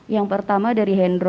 yang pertama dari hendro